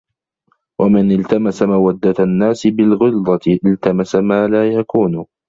وَمَنْ الْتَمَسَ مَوَدَّةَ النَّاسِ بِالْغِلْظَةِ الْتَمَسَ مَا لَا يَكُونُ